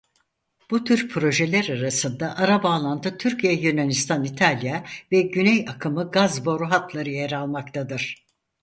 Bu tür projeler arasında "Ara Bağlantı Türkiye-Yunanistan-İtalya" ve "Güney Akımı" gaz boru hatları yer almaktadır.